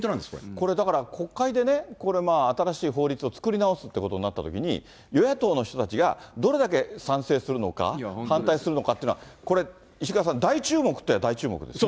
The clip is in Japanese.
これ、だから国会でね、これ、新しい法律を作り直すってことになったときに、与野党の人たちがどれだけ賛成するのか、反対するのかっていうのは、これ、石川さん、大注目っていえば大注目ですね。